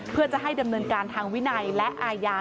เพื่อจะให้ดำเนินการทางวินัยและอาญา